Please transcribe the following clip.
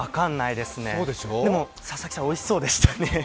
でも、佐々木さん、おいしそうでしたね。